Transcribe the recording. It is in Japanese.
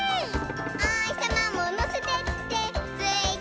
「おひさまものせてってついてくるよ」